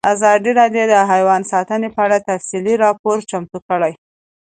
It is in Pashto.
ازادي راډیو د حیوان ساتنه په اړه تفصیلي راپور چمتو کړی.